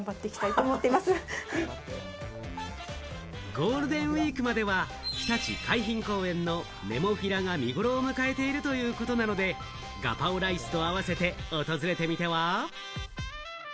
ゴールデンウイークまでは、ひたち海浜公園のネモフィラか見頃を迎えているということなので、ガパオライスとあわせて訪れてみては？